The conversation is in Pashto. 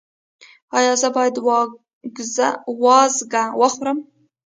ایا زه باید وازګه وخورم؟